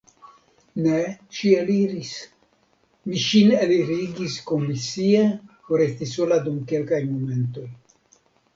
Ne, ŝi eliris; mi ŝin elirigis komisie por esti sola dum kelkaj momentoj.